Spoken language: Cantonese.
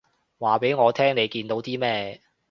話畀我聽你見到啲咩